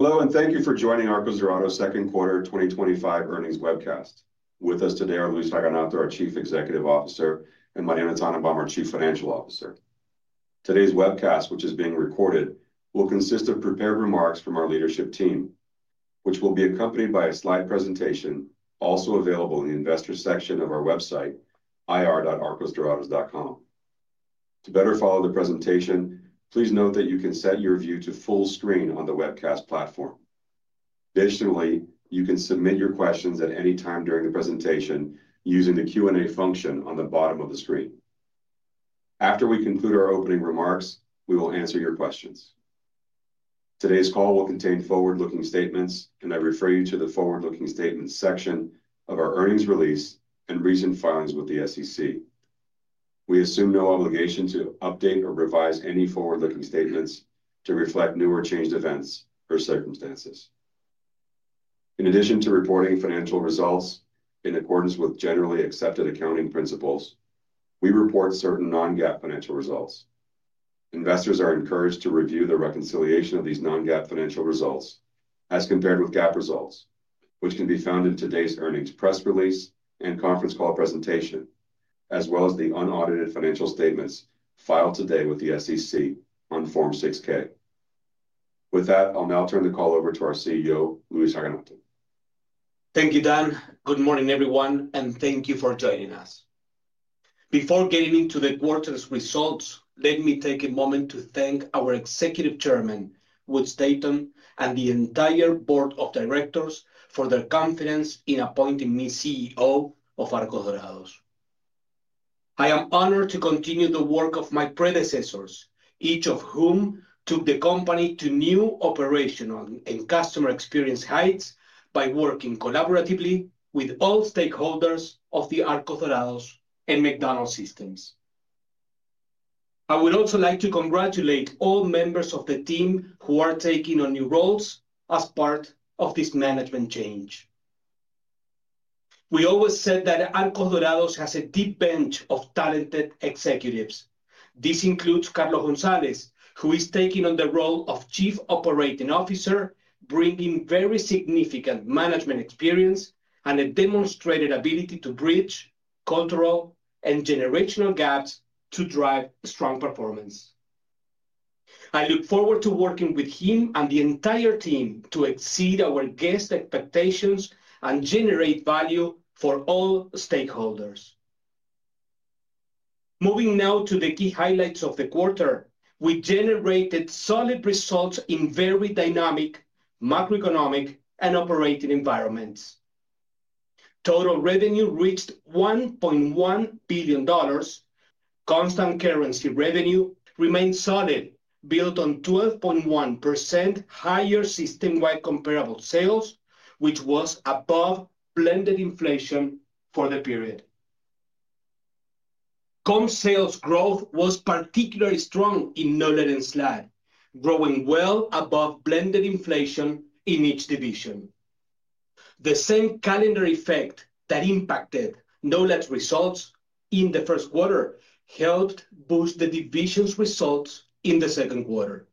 Hello and thank you for joining Arcos Dorados Holdings Inc. Second Quarter 2025 Earnings Webcast. With us today are Luis Raganato, our Chief Executive Officer, and Mariano Tannenbaum, our Chief Financial Officer. Today's webcast, which is being recorded, will consist of prepared remarks from our leadership team, which will be accompanied by a slide presentation also available in the investors section of our website, ir.arcosdorados.com. To better follow the presentation, please note that you can set your view to full screen on the webcast platform. Additionally, you can submit your questions at any time during the presentation using the Q&A function on the bottom of the screen. After we conclude our opening remarks, we will answer your questions. Today's call will contain forward-looking statements, and I refer you to the forward-looking statements section of our earnings release and recent filings with the SEC. We assume no obligation to update or revise any forward-looking statements to reflect new or changed events or circumstances. In addition to reporting financial results in accordance with generally accepted accounting principles, we report certain non-GAAP financial results. Investors are encouraged to review the reconciliation of these non-GAAP financial results as compared with GAAP results, which can be found in today's earnings press release and conference call presentation, as well as the unaudited financial statements filed today with the SEC on Form 6-K. With that, I'll now turn the call over to our CEO, Luis Raganato. Thank you, Dan. Good morning, everyone, and thank you for joining us. Before getting into the quarter's results, let me take a moment to thank our Executive Chairman, Woods Staton, and the entire Board of Directors for their confidence in appointing me CEO of Arcos Dorados. I am honored to continue the work of my predecessors, each of whom took the company to new operational and customer experience heights by working collaboratively with all stakeholders of the Arcos Dorados and McDonald's systems. I would also like to congratulate all members of the team who are taking on new roles as part of this management change. We always said that Arcos Dorados has a deep bench of talented executives. This includes Carlos Gonzalez, who is taking on the role of Chief Operating Officer, bringing very significant management experience and a demonstrated ability to bridge, control, and generational gaps to drive strong performance. I look forward to working with him and the entire team to exceed our guest expectations and generate value for all stakeholders. Moving now to the key highlights of the quarter, we generated solid results in very dynamic macroeconomic and operating environments. Total revenue reached $1.1 billion. Constant currency revenue remained solid, built on 12.1% higher system-wide comparable sales, which was above blended inflation for the period. Comparable sales growth was particularly strong in NOLAD and SLAD, growing well above blended inflation in each division. The same calendar effect that impacted NOLAD's results in the first quarter helped boost the division's results in the second quarter.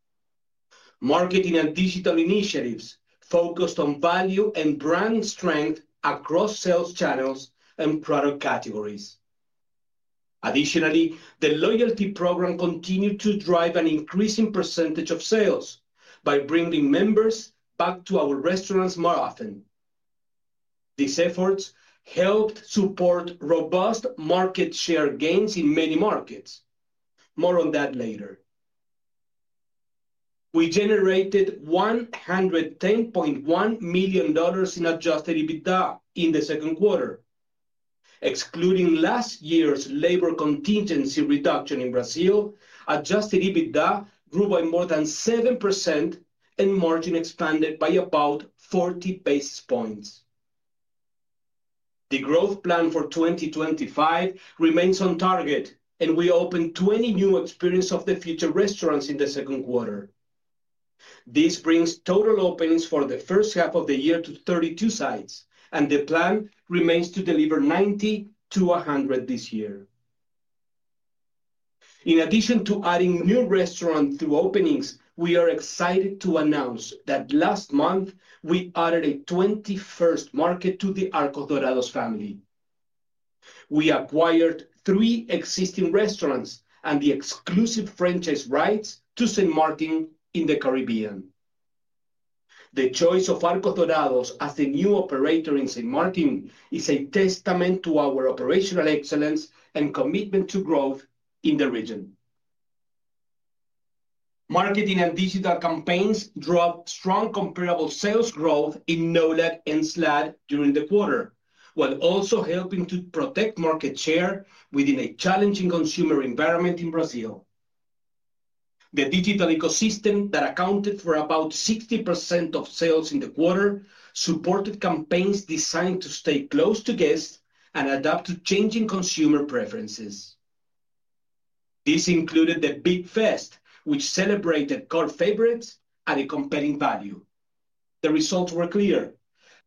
Marketing and digital initiatives focused on value and brand strength across sales channels and product categories. Additionally, the loyalty program continued to drive an increasing percentage of sales by bringing members back to our restaurants more often. These efforts helped support robust market share gains in many markets. More on that later. We generated $110.1 million in adjusted EBITDA in the second quarter. Excluding last year's labor contingency reduction in Brazil, adjusted EBITDA grew by more than 7% and margin expanded by about 40 basis points. The growth plan for 2025 remains on target, and we opened 20 new Experience of the Future restaurants in the second quarter. This brings total openings for the first half of the year to 32 sites, and the plan remains to deliver 90-100 this year. In addition to adding new restaurants to openings, we are excited to announce that last month we added a 21st market to the Arcos Dorados family. We acquired three existing restaurants and the exclusive franchise rights to St. Martin in the Caribbean. The choice of Arcos Dorados as the new operator in St. Martin is a testament to our operational excellence and commitment to growth in the region. Marketing and digital campaigns drove strong comparable sales growth in NOLAD and SLAD during the quarter, while also helping to protect market share within a challenging consumer environment in Brazil. The digital ecosystem that accounted for about 60% of sales in the quarter supported campaigns designed to stay close to guests and adapt to changing consumer preferences. This included the Big Fest, which celebrated core favorites at a compelling value. The results were clear.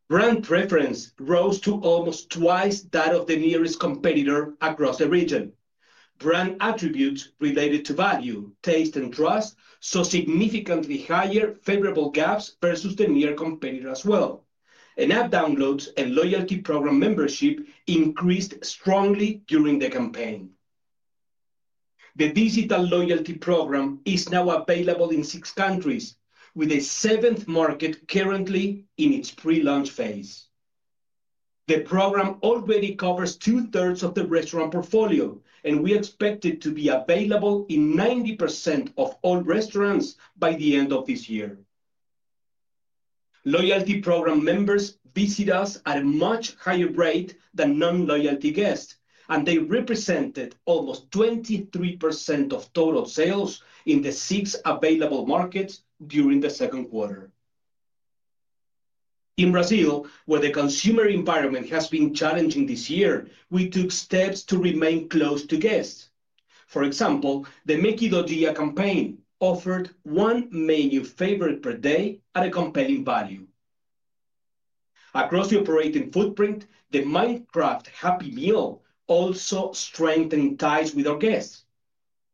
Brand preference rose to almost twice that of the nearest competitor across the region. Brand attributes related to value, taste, and trust saw significantly higher favorable gaps versus the nearest competitor as well. App downloads and loyalty program membership increased strongly during the campaign. The digital loyalty program is now available in six countries, with a seventh market currently in its pre-launch phase. The program already covers 2/3 of the restaurant portfolio, and we expect it to be available in 90% of all restaurants by the end of this year. Loyalty program members visit us at a much higher rate than non-loyalty guests, and they represented almost 23% of total sales in the six available markets during the second quarter. In Brazil, where the consumer environment has been challenging this year, we took steps to remain close to guests. For example, the Méqui do Dia campaign offered one menu favorite per day at a compelling value. Across the operating footprint, the Minecraft Happy Meal also strengthened ties with our guests.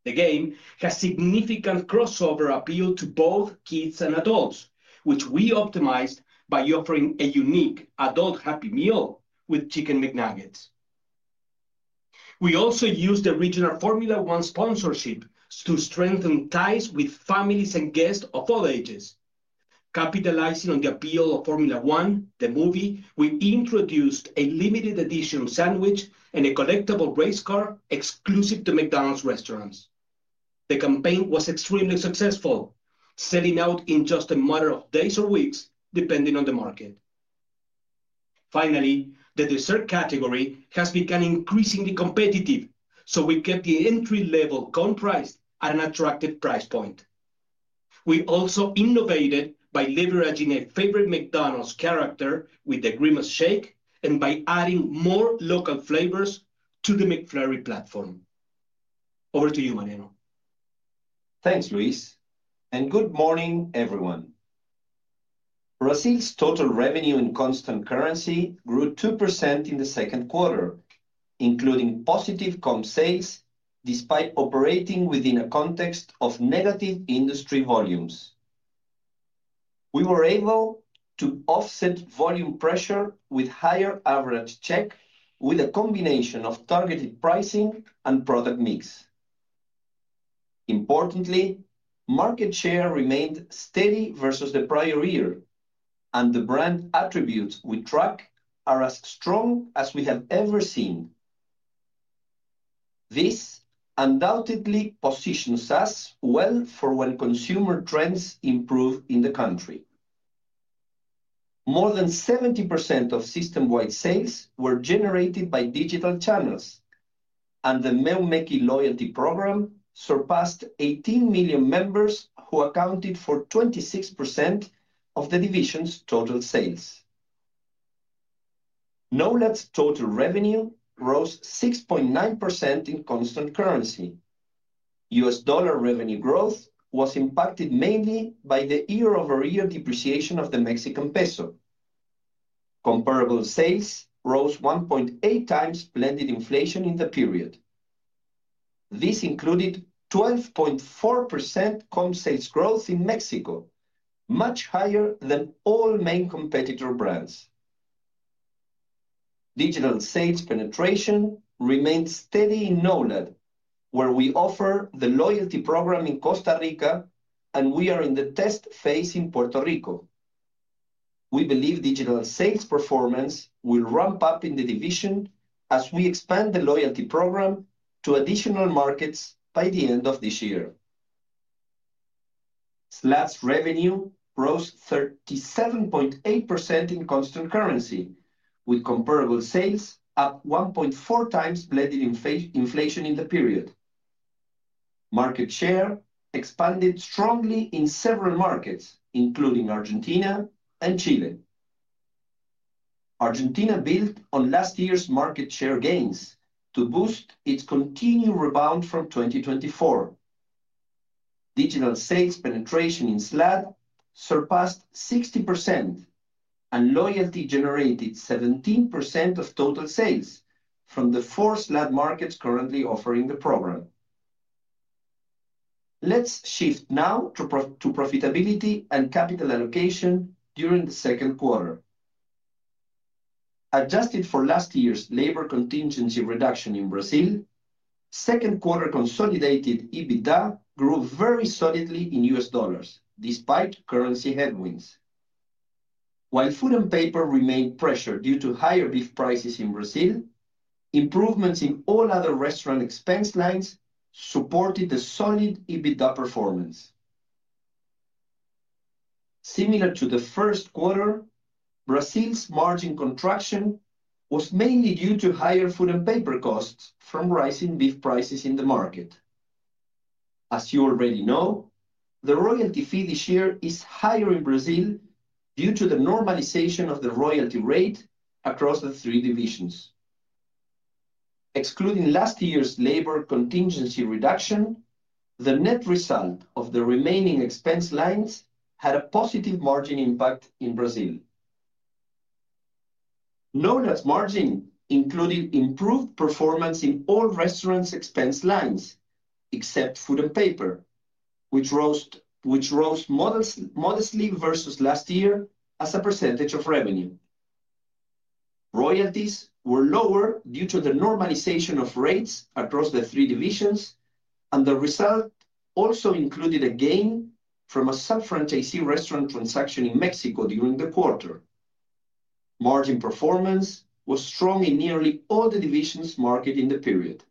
The game has significant crossover appeal to both kids and adults, which we optimized by offering a unique adult Happy Meal with Chicken McNuggets. We also used the regional Formula One sponsorship to strengthen ties with families and guests of all ages. Capitalizing on the appeal of Formula 1, the movie, we introduced a limited edition sandwich and a collectible race car exclusive to McDonald's restaurants. The campaign was extremely successful, selling out in just a matter of days or weeks, depending on the market. Finally, the dessert category has become increasingly competitive, so we kept the entry-level cone price at an attractive price point. We also innovated by leveraging a favorite McDonald's character with the Grimace Shake and by adding more local flavors to the McFlurry platform. Over to you, Mariano. Thanks, Luis, and good morning, everyone. Brazil's total revenue in constant currency grew 2% in the second quarter, including positive comparable sales despite operating within a context of negative industry volumes. We were able to offset volume pressure with a higher average check with a combination of targeted pricing and product mix. Importantly, market share remained steady versus the prior year, and the brand attributes we track are as strong as we have ever seen. This undoubtedly positions us well for when consumer trends improve in the country. More than 70% of system-wide sales were generated by digital channels, and the loyalty program surpassed 18 million members who accounted for 26% of the division's total sales. NOLAD's total revenue rose 6.9% in constant currency. U.S. dollar revenue growth was impacted mainly by the year-over-year depreciation of the Mexican peso. Comparable sales rose 1.8x blended inflation in the period. This included 12.4% comparable sales growth in Mexico, much higher than all main competitor brands. Digital sales penetration remains steady in NOLAD, where we offer the loyalty program in Costa Rica, and we are in the test phase in Puerto Rico. We believe digital sales performance will ramp up in the division as we expand the loyalty program to additional markets by the end of this year. SLAD's revenue rose 37.8% in constant currency, with comparable sales at 1.4x blended inflation in the period. Market share expanded strongly in several markets, including Argentina and Chile. Argentina built on last year's market share gains to boost its continued rebound from 2024. Digital sales penetration in SLAD surpassed 60%, and loyalty generated 17% of total sales from the four SLAD markets currently offering the program. Let's shift now to profitability and capital allocation during the second quarter. Adjusted for last year's labor contingency reduction in Brazil, second quarter consolidated adjusted EBITDA grew very solidly in U.S. dollars, despite currency headwinds. While food and paper remained pressured due to higher beef prices in Brazil, improvements in all other restaurant expense lines supported the solid adjusted EBITDA performance. Similar to the first quarter, Brazil's margin contraction was mainly due to higher food and paper costs from rising beef prices in the market. As you already know, the royalty fee this year is higher in Brazil due to the normalization of the royalty rate across the three divisions. Excluding last year's labor contingency reduction, the net result of the remaining expense lines had a positive margin impact in Brazil. NOLAD's margin included improved performance in all restaurants' expense lines except food and paper, which rose modestly versus last year as a percentage of revenue. Royalties were lower due to the normalization of rates across the three divisions, and the result also included a gain from a self-franchisee restaurant transaction in Mexico during the quarter. Margin performance was strong in nearly all the divisions marketed in the period.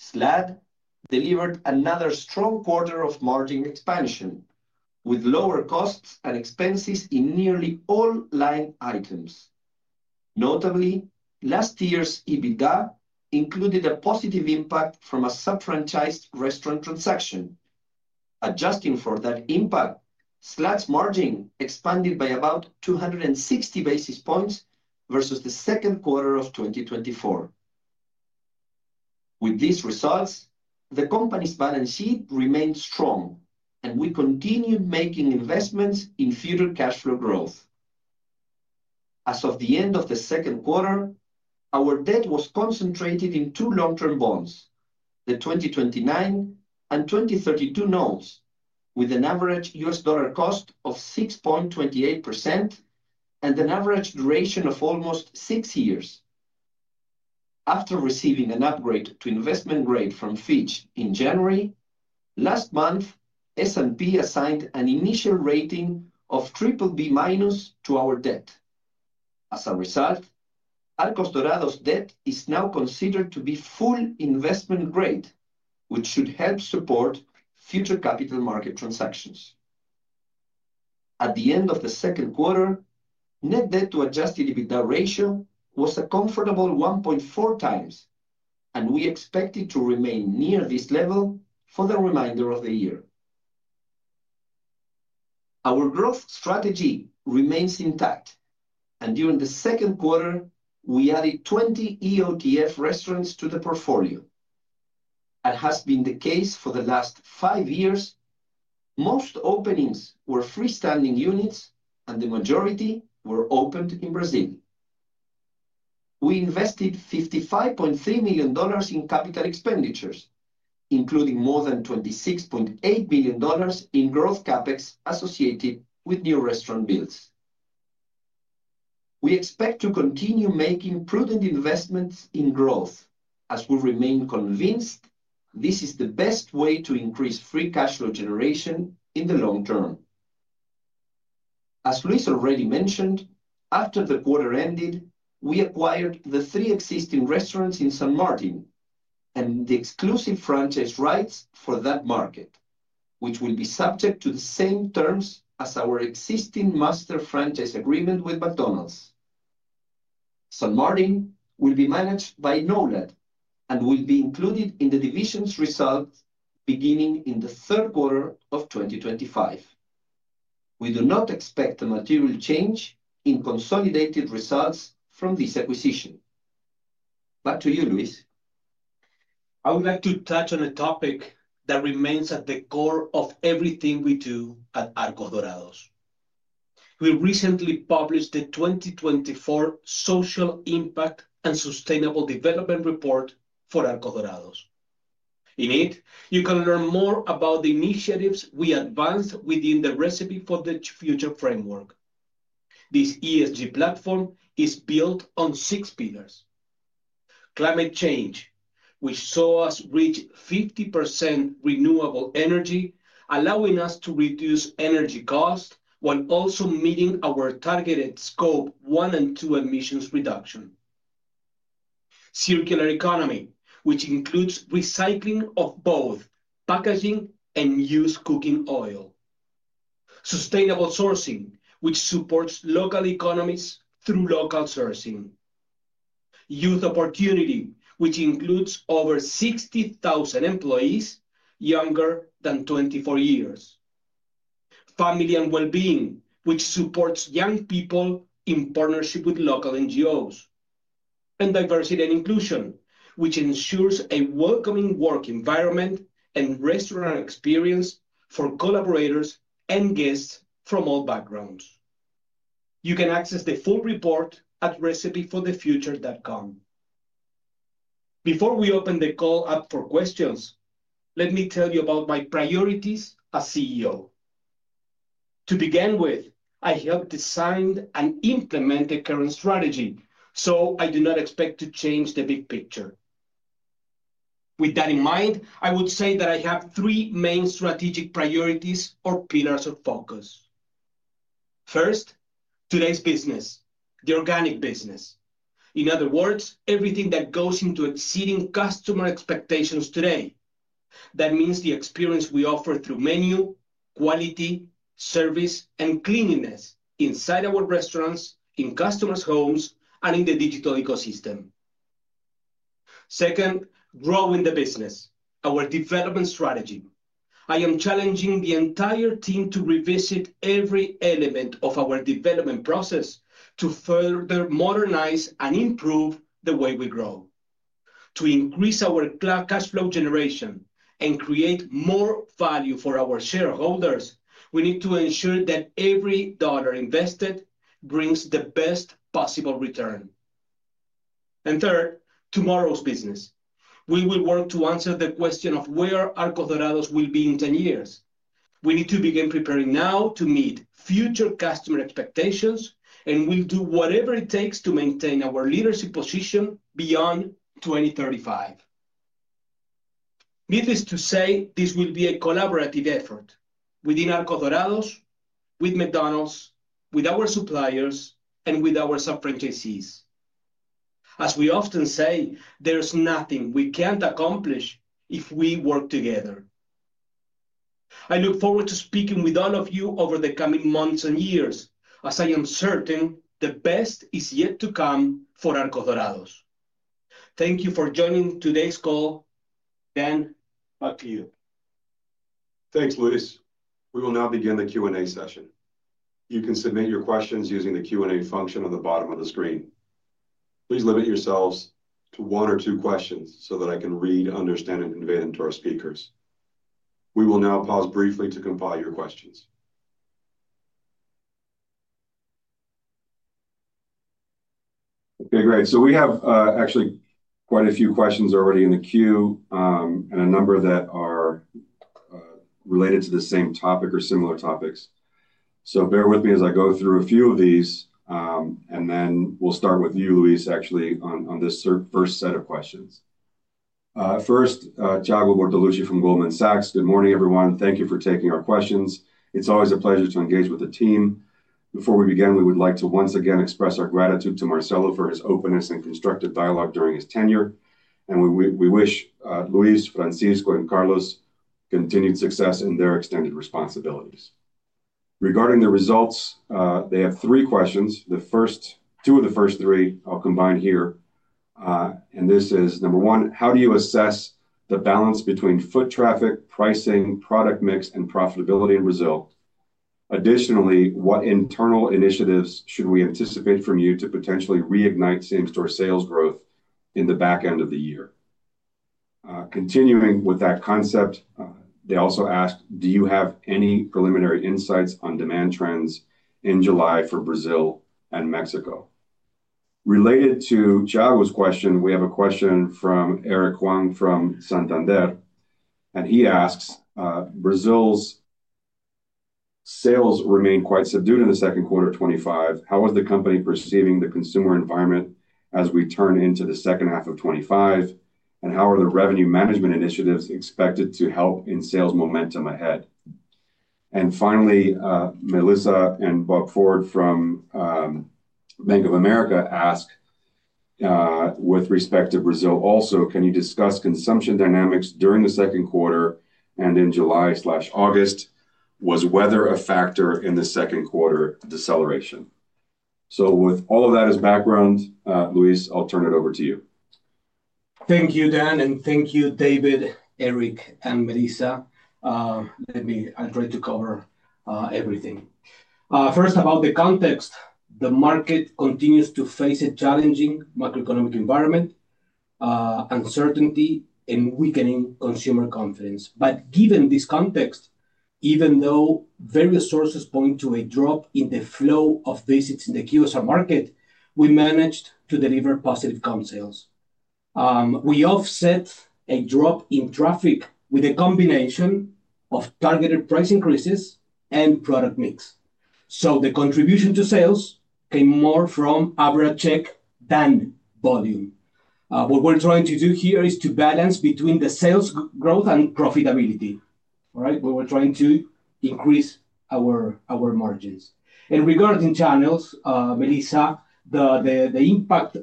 SLAD delivered another strong quarter of margin expansion with lower costs and expenses in nearly all line items. Notably, last year's EBITDA included a positive impact from a self-franchised restaurant transaction. Adjusting for that impact, SLAD's margin expanded by about 260 basis points versus the second quarter of 2024. With these results, the company's balance sheet remained strong, and we continued making investments in future cash flow growth. As of the end of the second quarter, our debt was concentrated in two long-term bonds, the 2029 and 2032 notes, with an average U.S. dollar cost of 6.28% and an average duration of almost six years. After receiving an upgrade to investment grade from Fitch in January, last month, S&P assigned an initial rating of BBB- to our debt. As a result, Arcos Dorados debt is now considered to be full investment grade, which should help support future capital market transactions. At the end of the second quarter, net debt to adjusted EBITDA ratio was a comfortable 1.4x, and we expect it to remain near this level for the remainder of the year. Our growth strategy remains intact, and during the second quarter, we added 20 EOTF restaurants to the portfolio. As has been the case for the last five years, most openings were freestanding units, and the majority were opened in Brazil. We invested $55.3 million in CapEx, including more than $26.8 million in growth CapEx associated with new restaurant builds. We expect to continue making prudent investments in growth, as we remain convinced this is the best way to increase free cash flow generation in the long term. As Luis already mentioned, after the quarter ended, we acquired the three existing restaurants in St. Martin and the exclusive franchise rights for that market, which will be subject to the same terms as our existing master franchise agreement with McDonald's. St. Martin will be managed by NOLAD and will be included in the division's results beginning in the third quarter of 2025. We do not expect a material change in consolidated results from this acquisition. Back to you, Luis. I would like to touch on a topic that remains at the core of everything we do at Arcos Dorados. We recently published the 2024 Social Impact and Sustainable Development Report for Arcos Dorados. In it, you can learn more about the initiatives we advanced within the Recipe for the Future framework. This ESG platform is built on six pillars. Climate change, which saw us reach 50% renewable energy, allowing us to reduce energy costs while also meeting our targeted Scope 1 and 2 emissions reduction. Circular economy, which includes recycling of both packaging and used cooking oil. Sustainable sourcing, which supports local economies through local sourcing. Youth opportunity, which includes over 60,000 employees younger than 24 years. Family and well-being, which supports young people in partnership with local NGOs. Diversity and inclusion, which ensures a welcoming work environment and restaurant experience for collaborators and guests from all backgrounds. You can access the full report at recipe4thefuture.com. Before we open the call up for questions, let me tell you about my priorities as CEO. To begin with, I helped design and implement the current strategy, so I do not expect to change the big picture. With that in mind, I would say that I have three main strategic priorities or pillars of focus. First, today's business, the organic business. In other words, everything that goes into exceeding customer expectations today. That means the experience we offer through menu, quality, service, and cleanliness inside our restaurants, in customers' homes, and in the digital ecosystem. Second, growing the business, our development strategy. I am challenging the entire team to revisit every element of our development process to further modernize and improve the way we grow. To increase our cash flow generation and create more value for our shareholders, we need to ensure that every dollar invested brings the best possible return. Third, tomorrow's business. We will work to answer the question of where Arcos Dorados will be in 10 years. We need to begin preparing now to meet future customer expectations, and we'll do whatever it takes to maintain our leadership position beyond 2035. Needless to say, this will be a collaborative effort within Arcos Dorados, with McDonald's, with our suppliers, and with our sub-franchisees. As we often say, there's nothing we can't accomplish if we work together. I look forward to speaking with all of you over the coming months and years, as I am certain the best is yet to come for Arcos Dorados. Thank you for joining today's call. Dan, back to you. Thanks, Luis. We will now begin the Q&A session. You can submit your questions using the Q&A function on the bottom of the screen. Please limit yourselves to one or two questions so that I can read, understand, and convey them to our speakers. We will now pause briefly to compile your questions. Okay, great. We have actually quite a few questions already in the queue, and a number that are related to the same topic or similar topics. Bear with me as I go through a few of these, and then we'll start with you, Luis, on this first set of questions. First, Thiago Bortoluci from Goldman Sachs. Good morning, everyone. Thank you for taking our questions. It's always a pleasure to engage with the team. Before we begin, we would like to once again express our gratitude to Marcelo for his openness and constructive dialogue during his tenure. We wish Luis, Francisco, and Carlos continued success in their extended responsibilities. Regarding the results, they have three questions. The first two of the first three I'll combine here. This is number one, how do you assess the balance between foot traffic, pricing, product mix, and profitability in Brazil? Additionally, what internal initiatives should we anticipate from you to potentially reignite same-store sales growth in the back end of the year? Continuing with that concept, they also asked, do you have any preliminary insights on demand trends in July for Brazil and Mexico? Related to Thiago's question, we have a question from Eric Huang from Santander. He asks, Brazil's sales remain quite subdued in the second quarter of 2025. How is the company perceiving the consumer environment as we turn into the second half of 2025? How are the revenue management initiatives expected to help in sales momentum ahead? Finally, Melissa and Bob Ford from Bank of America ask, with respect to Brazil also, can you discuss consumption dynamics during the second quarter and in July/August? Was weather a factor in the second quarter deceleration? With all of that as background, Luis, I'll turn it over to you. Thank you, Dan, and thank you, David, Eric, and Melissa. It'd be great to cover everything. First, about the context, the market continues to face a challenging macroeconomic environment, uncertainty, and weakening consumer confidence. Given this context, even though various sources point to a drop in the flow of visits in the QSR market, we managed to deliver positive con sales. We offset a drop in traffic with a combination of targeted price increases and product mix. The contribution to sales came more from average check than volume. What we're trying to do here is to balance between the sales growth and profitability. We were trying to increase our margins. Regarding channels, Melissa, the impact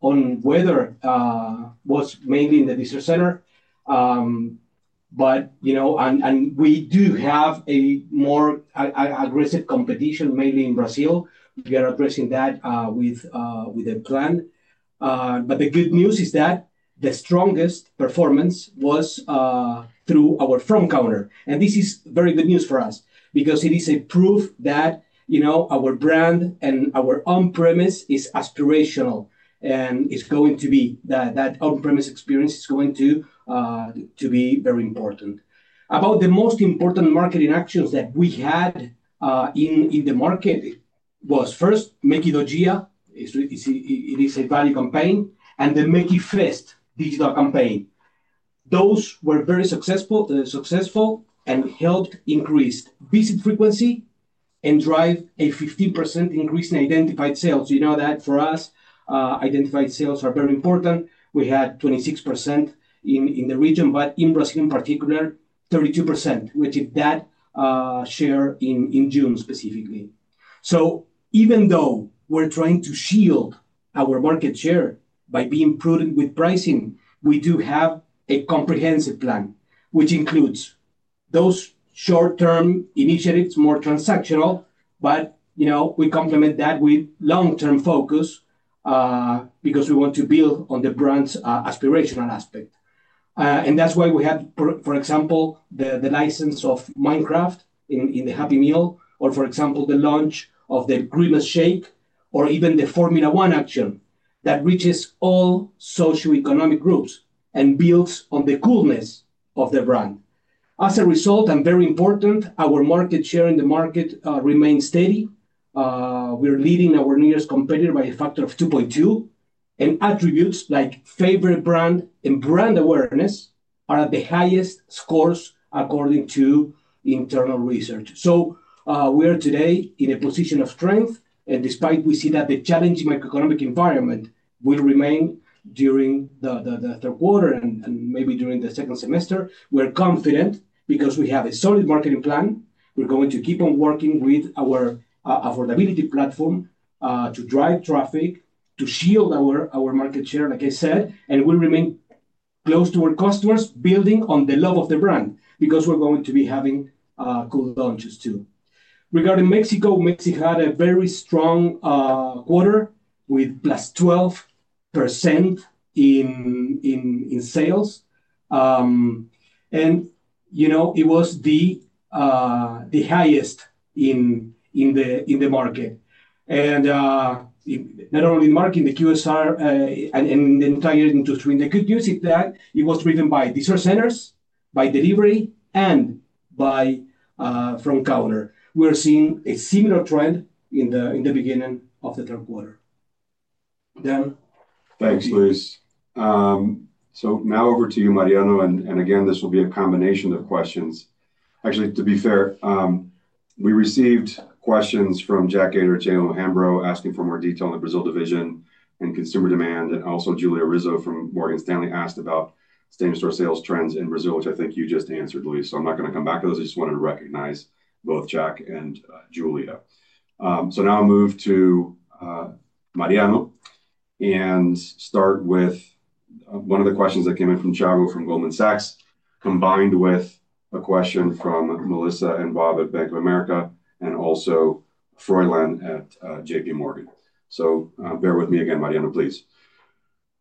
on weather was mainly in the business center. We do have a more aggressive competition mainly in Brazil. We are addressing that with a plan. The good news is that the strongest performance was through our front counter. This is very good news for us because it is proof that our brand and our on-premise is aspirational and that on-premise experience is going to be very important. About the most important marketing actions that we had in the market was first, Mequi do Dia. It is a planning campaign and the Mequi Fest digital campaign. Those were very successful and helped increase visit frequency and drive a 15% increase in identified sales. You know that for us, identified sales are very important. We had 26% in the region, but in Brazil in particular, 32%, which is that share in June specifically. Even though we're trying to shield our market share by being prudent with pricing, we do have a comprehensive plan, which includes those short-term initiatives, more transactional, but we complement that with long-term focus because we want to build on the brand's aspirational aspect. That's why we have, for example, the license of Minecraft in the Happy Meal, or for example, the launch of the Grimace Shake, or even the Formula 1 action that reaches all socioeconomic groups and builds on the coolness of the brand. As a result, and very important, our market share in the market remains steady. We're leading our nearest competitor by a factor of 2.2. Attributes like favorite brand and brand awareness are at the highest scores according to internal research. We are today in a position of strength, and despite we see that the challenging macro-economic environment will remain during the third quarter and maybe during the second semester, we're confident because we have a solid marketing plan. We're going to keep on working with our affordability platform to drive traffic, to shield our market share, like I said, and we'll remain close to our customers, building on the love of the brand because we're going to be having cool launches too. Regarding Mexico, Mexico had a very strong quarter with +12% in sales. You know, it was the highest in the market, and not only in market, in the QSR and the entire industry. The good news is that it was driven by business centers, by delivery, and by front counter. We're seeing a similar trend in the beginning of the third quarter. Thanks, Luis. Now over to you, Mariano, and again, this will be a combination of questions. Actually, to be fair, we received questions from Jack Gater from J O Hambro, asking for more detail on the Brazil division and consumer demand. Also, Julia Rizzo from Morgan Stanley asked about same-store sales trends in Brazil, which I think you just answered, Luis. I'm not going to come back to those. I just wanted to recognize both Jack and Julia. Now I'll move to Mariano and start with one of the questions that came in from Thiago from Goldman Sachs, combined with a question from Melissa and Bob at Bank of America, and also Froylan at JPMorgan. Bear with me again, Mariano, please.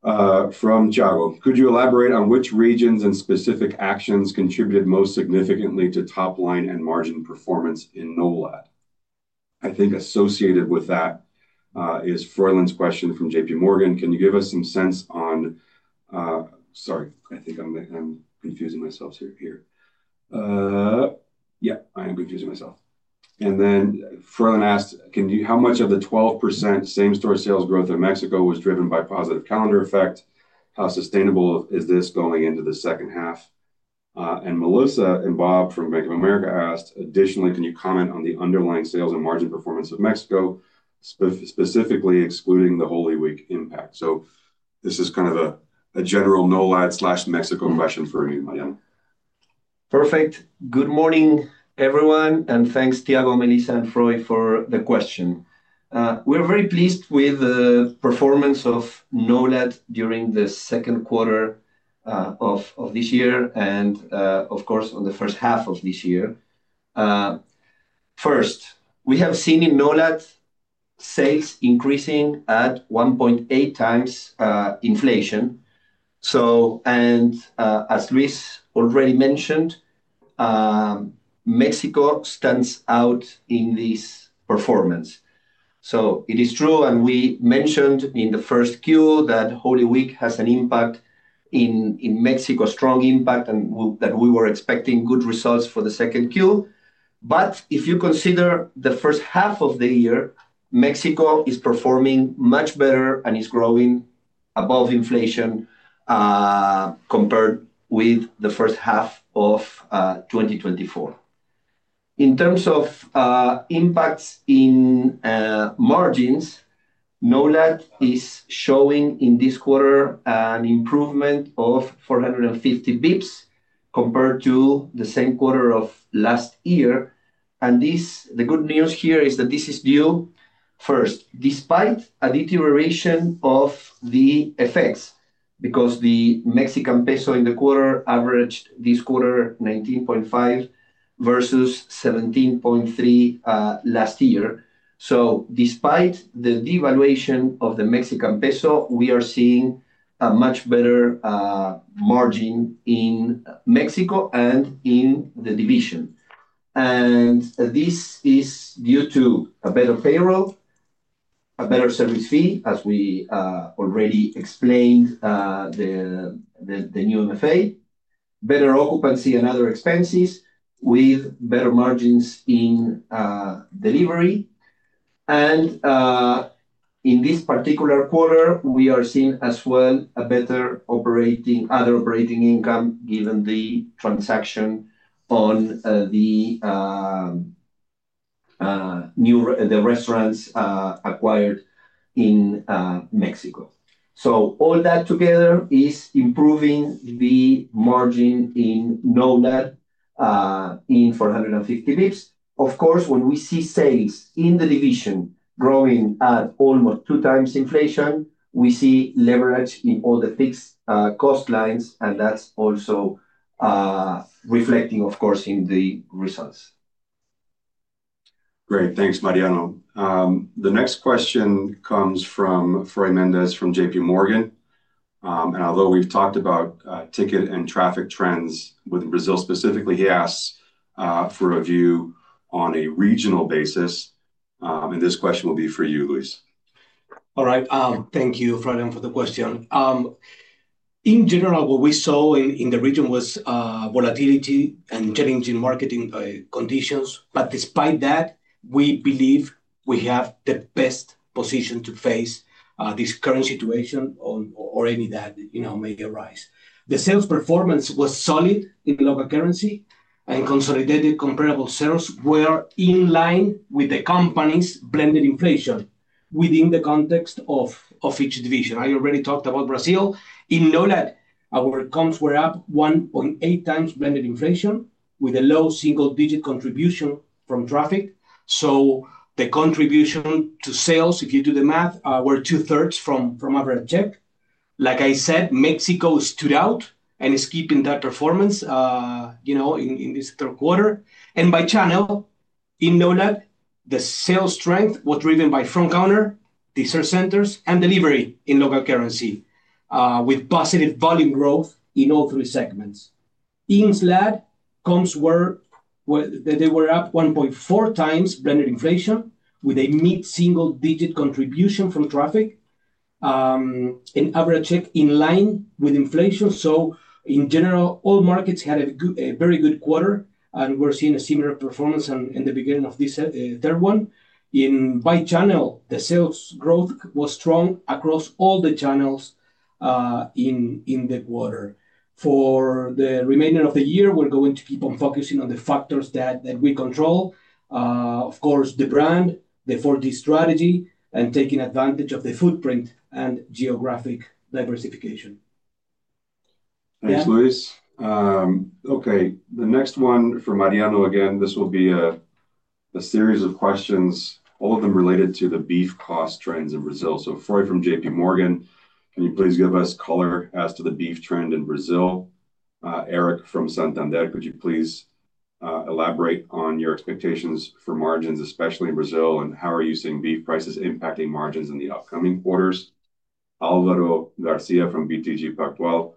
From Thiago, could you elaborate on which regions and specific actions contributed most significantly to top line and margin performance in NOLAD? I think associated with that is Froylan's question from JPMorgan. Can you give us some sense on, sorry, I think I'm confusing myself here. Yeah, I am confusing myself. Then Froylan asked, how much of the 12% same-store sales growth in Mexico was driven by positive calendar effect? How sustainable is this going into the second half? Melissa and Bob from Bank of America asked, additionally, can you comment on the underlying sales and margin performance of Mexico, specifically excluding the Holy Week impact? This is kind of a general NOLAD/Mexico question for you, Mariano. Perfect. Good morning, everyone, and thanks Thiago, Melissa, and Froy for the question. We're very pleased with the performance of NOLAD during the second quarter of this year and, of course, on the first half of this year. First, we have seen in NOLAD sales increasing at 1.8x inflation. As Luis already mentioned, Mexico stands out in this performance. It is true, and we mentioned in the first quarter that Holy Week has an impact in Mexico, a strong impact, and that we were expecting good results for the second quarter. If you consider the first half of the year, Mexico is performing much better and is growing above inflation compared with the first half of 2024. In terms of impacts in margins, NOLAD is showing in this quarter an improvement of 450 basis points compared to the same quarter of last year. The good news here is that this is due first, despite an iteration of the effects because the Mexican peso in the quarter averaged this quarter 19.5 versus 17.3 last year. Despite the devaluation of the Mexican peso, we are seeing a much better margin in Mexico and in the division. This is due to a better payroll, a better service fee, as we already explained, the new MFA, better occupancy and other expenses with better margins in delivery. In this particular quarter, we are seeing as well a better other operating income given the transaction on the restaurants acquired in Mexico. All that together is improving the margin in NOLAD in 450 basis points. Of course, when we see sales in the division growing at almost two times inflation, we see leverage in all the fixed cost lines, and that's also reflecting, of course, in the results. Great. Thanks, Mariano. The next question comes from Froy Mendez from JPMorgan. Although we've talked about ticket and traffic trends within Brazil specifically, he asks for a view on a regional basis. This question will be for you, Luis. All right. Thank you, Froy Mendez, for the question. In general, what we saw in the region was volatility and challenging market conditions. Despite that, we believe we have the best position to face this current situation or any that may arise. The sales performance was solid in the local currency, and consolidated comparable sales were in line with the company's blended inflation within the context of each division. I already talked about Brazil. In NOLAD, our comps were at 1.8x blended inflation with a low single-digit contribution from traffic. The contribution to sales, if you do the math, were 2/3 from average check. Like I said, Mexico stood out and is keeping that performance in this third quarter. By channel, in NOLAD, the sales strength was driven by front counter, dessert centers, and delivery in local currency, with positive volume growth in all three segments. In SLAD, comps were at 1.4x blended inflation with a mid-single-digit contribution from traffic and average check in line with inflation. In general, all markets had a very good quarter, and we're seeing a similar performance in the beginning of this third one. By channel, the sales growth was strong across all the channels in the quarter. For the remainder of the year, we're going to keep on focusing on the factors that we control. Of course, the brand, the 4D strategy, and taking advantage of the footprint and geographic diversification. Thanks, Luis. Okay, the next one for Mariano again. This will be a series of questions, all of them related to the beef cost trends in Brazil. Froy from JPMorgan, can you please give us color as to the beef trend in Brazil? Eric from Santander, could you please elaborate on your expectations for margins, especially in Brazil, and how are you seeing beef prices impacting margins in the upcoming quarters? Alvaro Garcia from BTG Pactual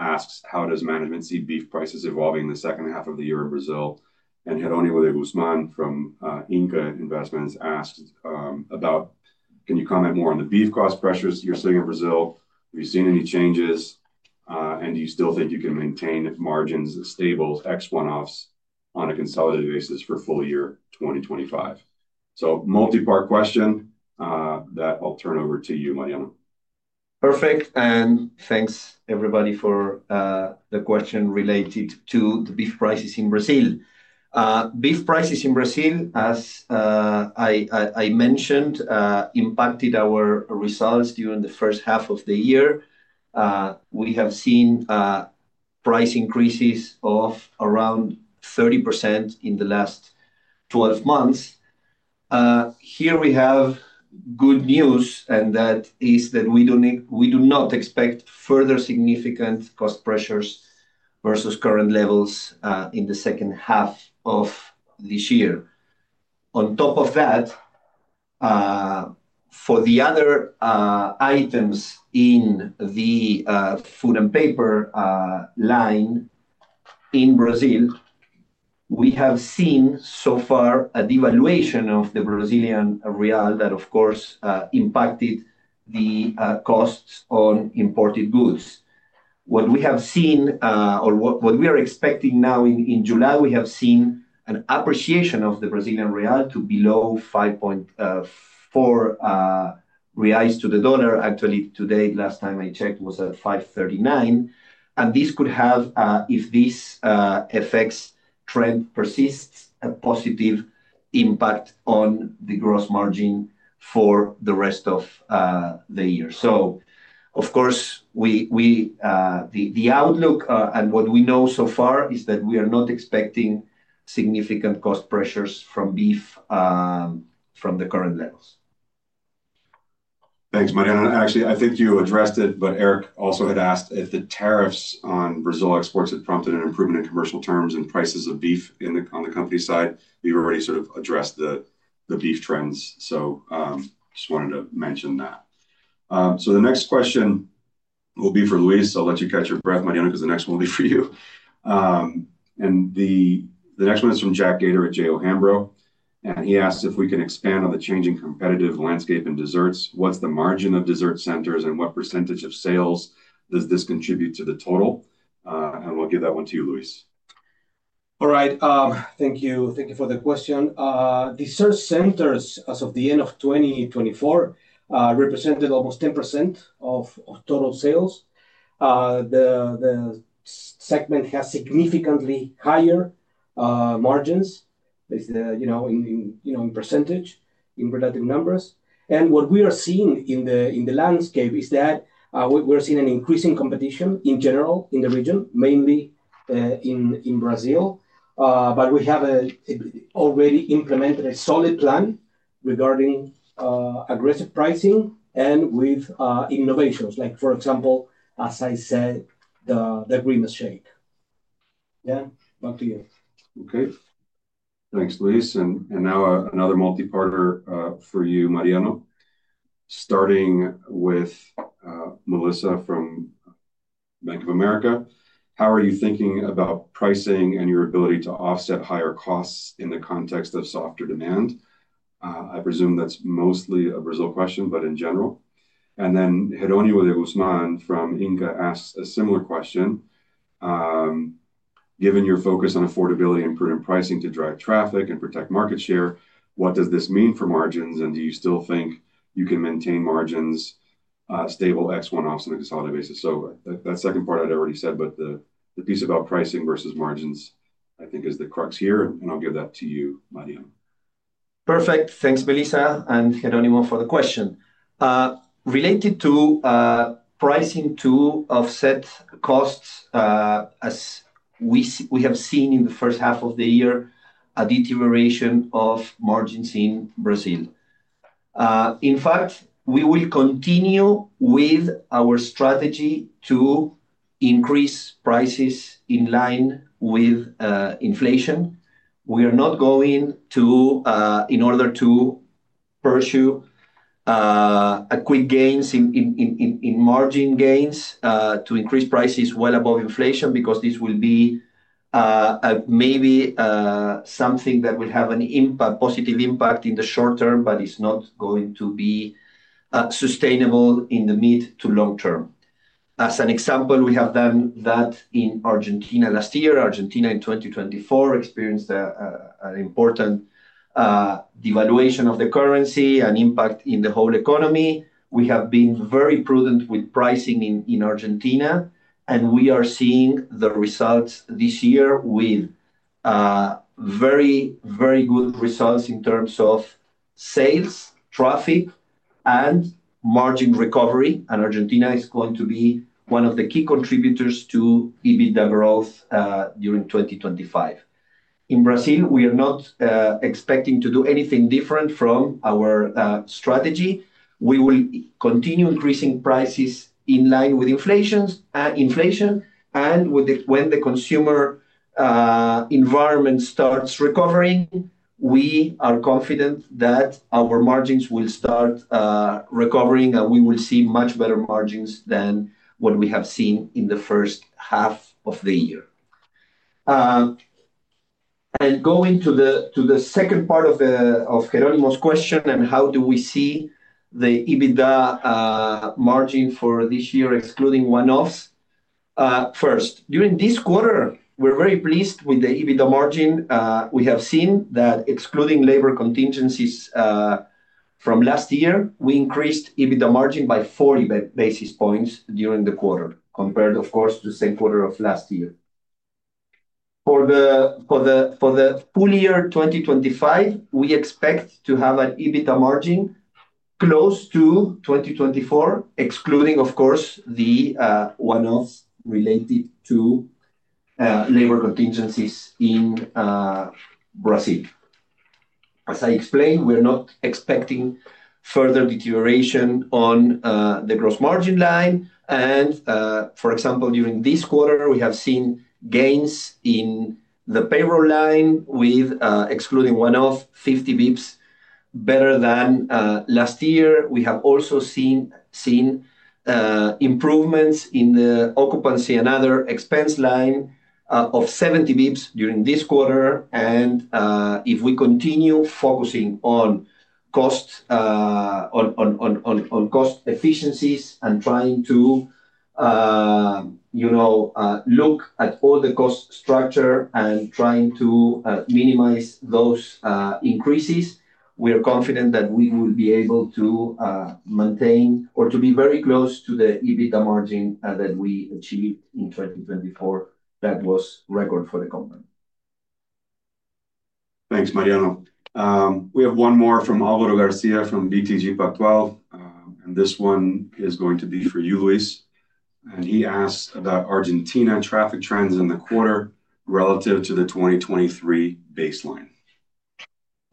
asks, how does management see beef prices evolving in the second half of the year in Brazil? Jeronimo de Guzmán from Inca Investments asks, can you comment more on the beef cost pressures you're seeing in Brazil? Have you seen any changes, and do you still think you can maintain margins stable as ex-one-offs on a consolidated basis for full year 2025? Multi-part question that I'll turn over to you, Mariano. Perfect, and thanks everybody for the question related to the beef prices in Brazil. Beef prices in Brazil, as I mentioned, impacted our results during the first half of the year. We have seen price increases of around 30% in the last 12 months. Here we have good news, and that is that we do not expect further significant cost pressures versus current levels in the second half of this year. On top of that, for the other items in the food and paper line in Brazil, we have seen so far a devaluation of the Brazilian real that, of course, impacted the costs on imported goods. What we have seen, or what we are expecting now in July, we have seen an appreciation of the Brazilian real to below 5.4 reais to the dollar. Actually, today, last time I checked, it was at 5.39. This could have, if this effects trend persists, a positive impact on the gross margin for the rest of the year. Of course, the outlook, and what we know so far is that we are not expecting significant cost pressures from beef from the current levels. Thanks, Mariano. Actually, I think you addressed it, but Eric also had asked if the tariffs on Brazil exports had prompted an improvement in commercial terms and prices of beef on the company side. We've already sort of addressed the beef trends. Just wanted to mention that. The next question will be for Luis. I'll let you catch your breath, Mariano, because the next one will be for you. The next one is from Jack Gater at J O Hambro, and he asks if we can expand on the changing competitive landscape in desserts. What's the margin of dessert centers and what percentage of sales does this contribute to the total? We'll give that one to you, Luis. All right. Thank you. Thank you for the question. Dessert centers, as of the end of 2024, represented almost 10% of total sales. The segment has significantly higher margins, you know, in percentage, in relative numbers. What we are seeing in the landscape is that we're seeing increasing competition in general in the region, mainly in Brazil. We have already implemented a solid plan regarding aggressive pricing and with innovations, like for example, as I said, the Grimace Shake. Yeah, back to you. Okay. Thanks, Luis. Now another multi-parter for you, Mariano. Starting with Melissa from Bank of America. How are you thinking about pricing and your ability to offset higher costs in the context of softer demand? I presume that's mostly a Brazil question, but in general. Jeronimo de Guzmán from Inca asks a similar question. Given your focus on affordability and prudent pricing to drive traffic and protect market share, what does this mean for margins, and do you still think you can maintain margins stable ex-one-offs on a consolidated basis? That second part I'd already said, but the piece about pricing versus margins, I think, is the crux here. I'll give that to you, Mariano. Perfect. Thanks, Melissa and Jeronimo for the question. Related to pricing to offset costs, as we have seen in the first half of the year, a deterioration of margins in Brazil. In fact, we will continue with our strategy to increase prices in line with inflation. We are not going to, in order to pursue quick gains in margin gains, increase prices well above inflation because this will be maybe something that will have a positive impact in the short term, but it's not going to be sustainable in the mid to long term. As an example, we have done that in Argentina last year. Argentina in 2024 experienced an important devaluation of the currency, an impact in the whole economy. We have been very prudent with pricing in Argentina, and we are seeing the results this year with very, very good results in terms of sales, traffic, and margin recovery. Argentina is going to be one of the key contributors to EBITDA growth during 2025. In Brazil, we are not expecting to do anything different from our strategy. We will continue increasing prices in line with inflation, and when the consumer environment starts recovering, we are confident that our margins will start recovering, and we will see much better margins than what we have seen in the first half of the year. Going to the second part of Jeronimo's question, how do we see the EBITDA margin for this year, excluding one-offs? First, during this quarter, we're very pleased with the EBITDA margin. We have seen that excluding labor contingencies from last year, we increased EBITDA margin by 40 basis points during the quarter, compared, of course, to the same quarter of last year. For the full year 2025, we expect to have an EBITDA margin close to 2024, excluding, of course, the one-offs related to labor contingencies in Brazil. As I explained, we're not expecting further deterioration on the gross margin line. For example, during this quarter, we have seen gains in the payroll line, with excluding one-off 50 basis points, better than last year. We have also seen improvements in the occupancy and other expense line of 70 basis points during this quarter. If we continue focusing on cost efficiencies and trying to look at all the cost structure and trying to minimize those increases, we are confident that we will be able to maintain or to be very close to the EBITDA margin that we achieved in 2024 that was record for the company. Thanks, Mariano. We have one more from Álvaro García from BTG Pactual, and this one is going to be for you, Luis. He asks about Argentina traffic trends in the quarter relative to the 2023 baseline.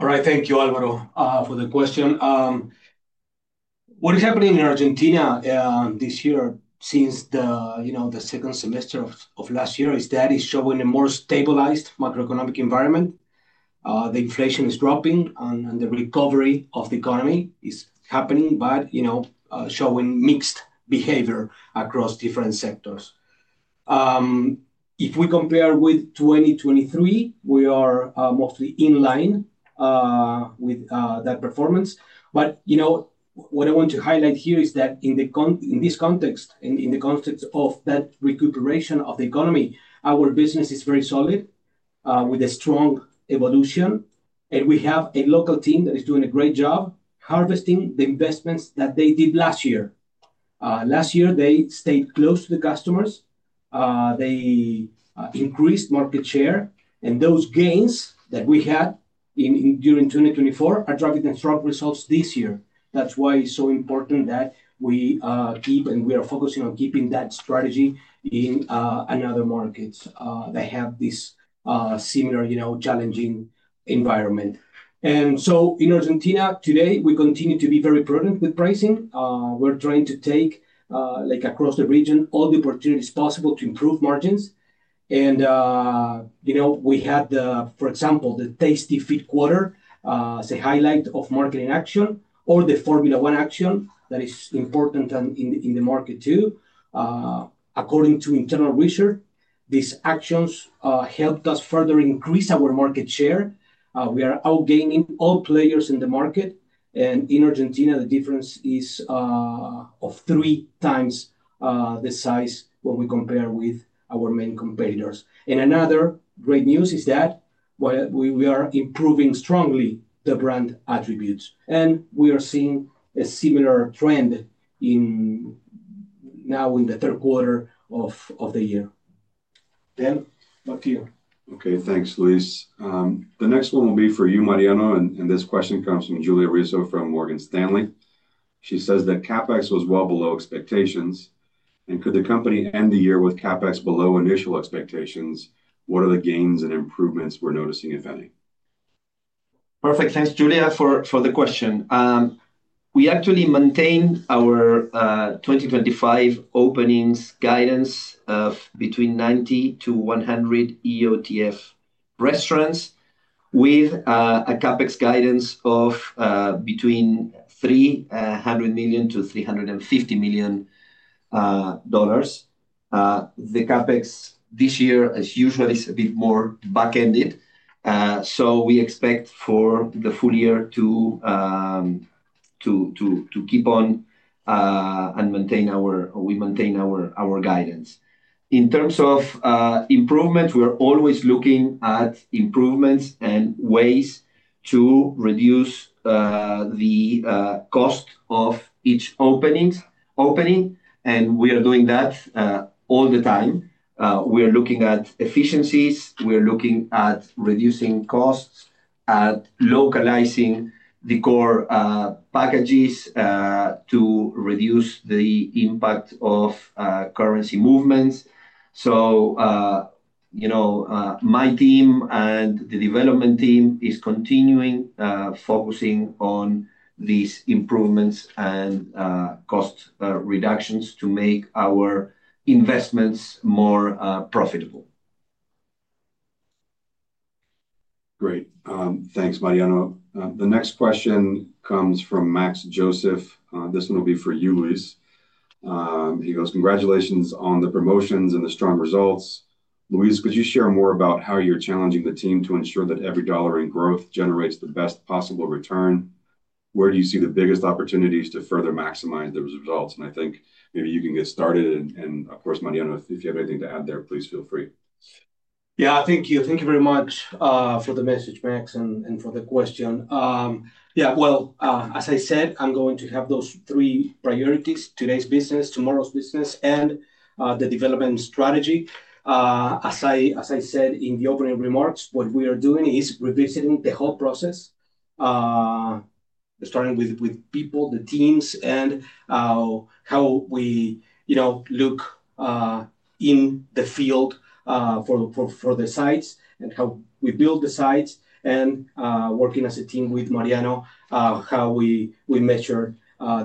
All right, thank you, Álvaro, for the question. What is happening in Argentina this year since the second semester of last year is that it's showing a more stabilized macroeconomic environment. The inflation is dropping and the recovery of the economy is happening, showing mixed behavior across different sectors. If we compare with 2023, we are mostly in line with that performance. What I want to highlight here is that in this context and in the context of that recuperation of the economy, our business is very solid with a strong evolution. We have a local team that is doing a great job harvesting the investments that they did last year. Last year, they stayed close to the customers. They increased market share. Those gains that we had during 2024 are driving the strong results this year. That's why it's so important that we keep, and we are focusing on keeping that strategy in other markets that have this similar challenging environment. In Argentina today, we continue to be very prudent with pricing. We're trying to take, like across the region, all the opportunities possible to improve margins. We have the, for example, the Tasty Fit quarter as a highlight of marketing action or the Formula One action that is important in the market too. According to internal research, these actions helped us further increase our market share. We are outgetting all players in the market. In Argentina, the difference is of three times the size when we compare with our main competitors. Another great news is that we are improving strongly the brand attributes. We are seeing a similar trend now in the third quarter of the year. Dan, back to you. Okay, thanks, Luis. The next one will be for you, Mariano. This question comes from Julia Rizzo from Morgan Stanley. She says that CapEx was well below expectations. Could the company end the year with CapEx below initial expectations? What are the gains and improvements we're noticing, if any? Perfect. Thanks, Julia, for the question. We actually maintain our 2025 openings guidance of between 90-100 EOTF restaurants with a CapEx guidance of between $300 million-$350 million. The CapEx this year, as usual, is a bit more back-ended. We expect for the full year to keep on and maintain our guidance. In terms of improvements, we are always looking at improvements and ways to reduce the cost of each opening. We are doing that all the time. We are looking at efficiencies. We are looking at reducing costs, at localizing the core packages to reduce the impact of currency movements. My team and the development team are continuing focusing on these improvements and cost reductions to make our investments more profitable. Great. Thanks, Mariano. The next question comes from Max Joseph. This one will be for you, Luis. He goes, congratulations on the promotions and the strong results. Luis, could you share more about how you're challenging the team to ensure that every dollar in growth generates the best possible return? Where do you see the biggest opportunities to further maximize those results? I think maybe you can get started. Of course, Mariano, if you have anything to add there, please feel free. Thank you. Thank you very much for the message, Max, and for the question. As I said, I'm going to have those three priorities: today's business, tomorrow's business, and the development strategy. As I said in the opening remarks, what we are doing is revisiting the whole process, starting with people, the teams, and how we look in the field for the sites and how we build the sites and working as a team with Mariano, how we measure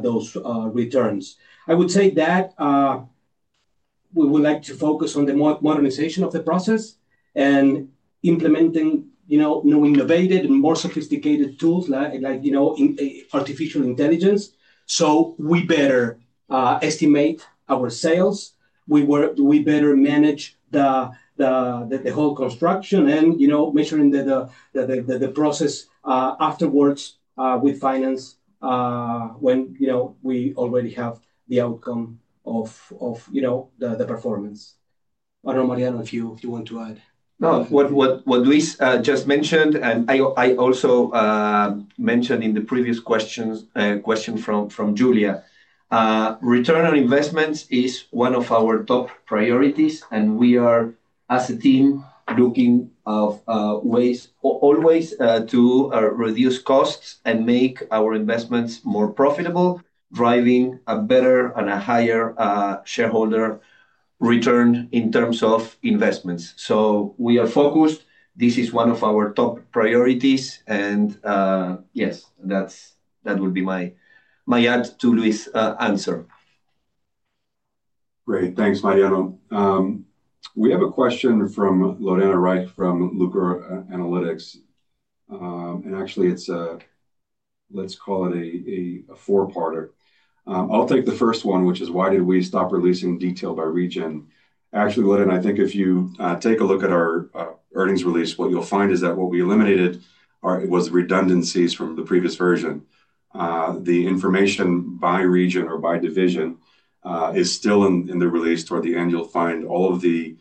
those returns. I would say that we would like to focus on the modernization of the process and implementing new, innovative, and more sophisticated tools like artificial intelligence. We better estimate our sales. We better manage the whole construction and measuring the process afterwards with finance when we already have the outcome of the performance. I don't know, Mariano, if you want to add. Luis just mentioned, and I also mentioned in the previous question from Julia, return on investments is one of our top priorities. We are, as a team, looking at ways always to reduce costs and make our investments more profitable, driving a better and a higher shareholder return in terms of investments. We are focused. This is one of our top priorities. Yes, that would be my add to Luis's answer. Great. Thanks, Mariano. We have a question from Lorena Reich from Lucror Analytics. Actually, let's call it a four-parter. I'll take the first one, which is why did we stop releasing detail by region. Lorena, I think if you take a look at our earnings release, what you'll find is that what we eliminated was redundancies from the previous version. The information by region or by division is still in the release toward the end. You'll find all of the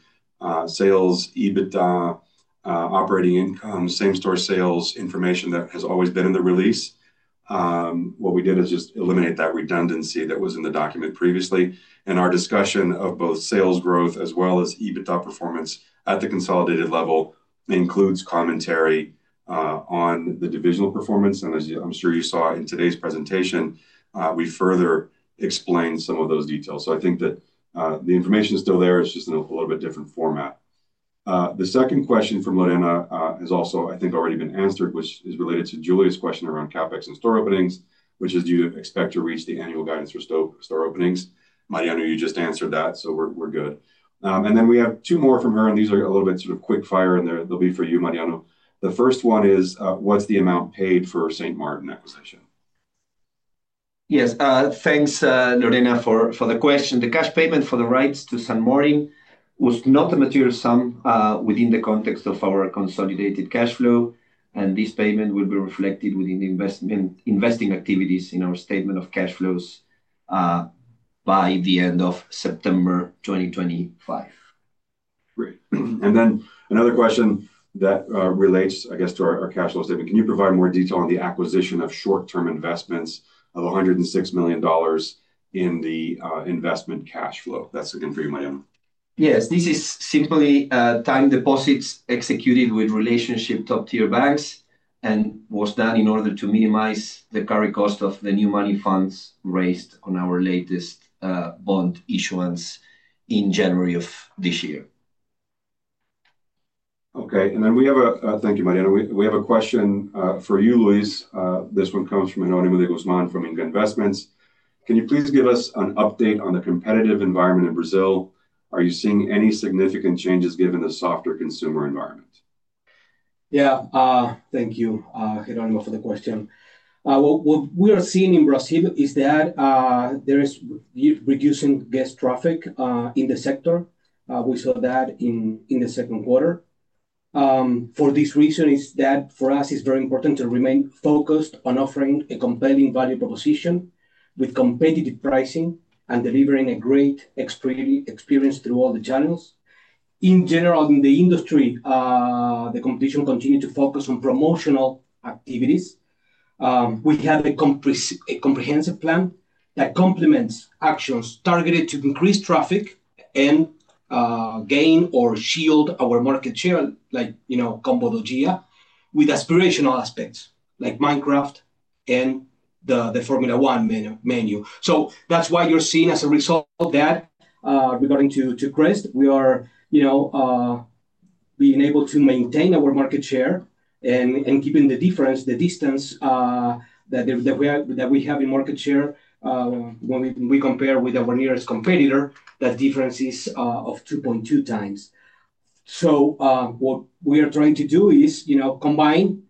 sales, EBITDA, operating income, same-store sales information that has always been in the release. What we did is just eliminate that redundancy that was in the document previously. Our discussion of both sales growth as well as EBITDA performance at the consolidated level includes commentary on the divisional performance. As I'm sure you saw in today's presentation, we further explained some of those details. I think that the information is still there. It's just in a little bit different format. The second question from Lorena has also, I think, already been answered, which is related to Julia's question around CapEx and store openings, which is do you expect to reach the annual guidance for store openings? Mariano, you just answered that, so we're good. We have two more from her, and these are a little bit sort of quick fire, and they'll be for you, Mariano. The first one is what's the amount paid for St. Martin acquisition? Yes, thanks, Lorena, for the question. The cash payment for the rights to St. Martin was not a material sum within the context of our consolidated cash flow. This payment will be reflected within the investing activities in our statement of cash flows by the end of September 2025. Great. Another question that relates to our cash flow statement. Can you provide more detail on the acquisition of short-term investments of $106 million in the investment cash flow? That's again for you, Mariano. Yes, this is simply time deposits executed with relationship top-tier banks and was done in order to minimize the current cost of the new money funds raised on our latest bond issuance in January of this year. Thank you, Mariano. We have a question for you, Luis. This one comes from Jeronimo de Guzmán from Inca Investments. Can you please give us an update on the competitive environment in Brazil? Are you seeing any significant changes given the softer consumer environment? Thank you, Jeronimo, for the question. What we are seeing in Brazil is that there is reducing guest traffic in the sector. We saw that in the second quarter. For this reason, for us, it's very important to remain focused on offering a compelling value proposition with competitive pricing and delivering a great experience through all the channels. In general, in the industry, the competition will continue to focus on promotional activities. We have a comprehensive plan that complements actions targeted to increase traffic and gain or shield our market share, like Combo del Dia, with aspirational aspects like Minecraft and the Formula 1 menu. That's why you're seeing as a result of that, regarding to Crest, we are being able to maintain our market share and keeping the difference, the distance that we have in market share when we compare with our nearest competitor, that difference is of 2.2x. What we are trying to do is combine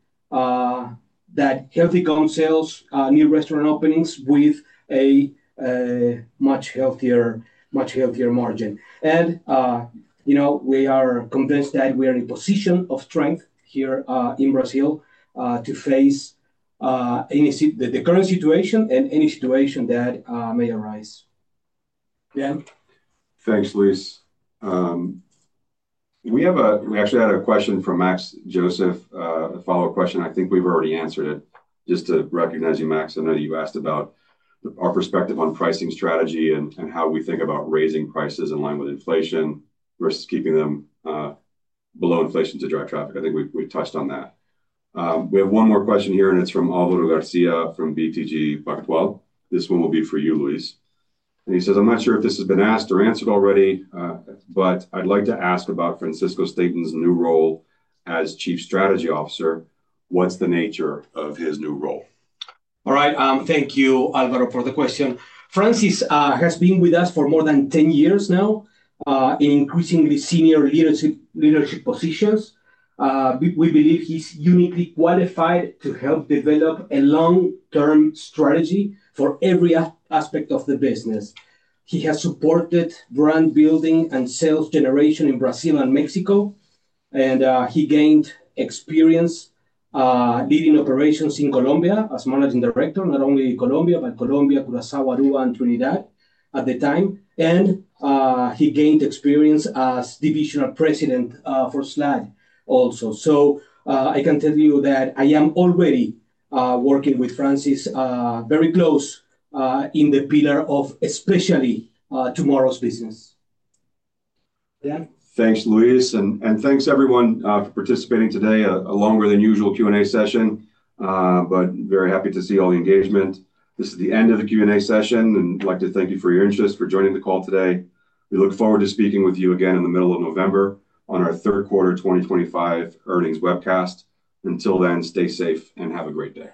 that healthy comp sales, new restaurant openings with a much healthier margin. We are convinced that we are in a position of strength here in Brazil to face the current situation and any situation that may arise. Thanks, Luis. We actually had a question from Max Joseph, a follow-up question. I think we've already answered it. Just to recognize you, Max, I know that you asked about our perspective on pricing strategy and how we think about raising prices in line with inflation versus keeping them below inflation to drive traffic. I think we touched on that. We have one more question here, and it's from Álvaro García from BTG Pactual. This one will be for you, Luis. He says, I'm not sure if this has been asked or answered already, but I'd like to ask about Francisco Staton's new role as Chief Strategy Officer. What's the nature of his new role? All right, thank you, Álvaro, for the question. Francisco has been with us for more than 10 years now, in increasingly senior leadership positions. We believe he's uniquely qualified to help develop a long-term strategy for every aspect of the business. He has supported brand building and sales generation in Brazil and Mexico. He gained experience leading operations in Colombia as Managing Director, not only in Colombia, but Colombia, Curacao, Aruba, and Trinidad at the time. He gained experience as Divisional President for SLAD also. I can tell you that I am already working with Francisco very close in the pillar of especially tomorrow's business. Dan. Thanks, Luis. Thanks, everyone, for participating today. A longer than usual Q&A session, but very happy to see all the engagement. This is the end of the Q&A session. I'd like to thank you for your interest and for joining the call today. We look forward to speaking with you again in the middle of November on our Third Quarter 2025 Earnings Webcast. Until then, stay safe and have a great day.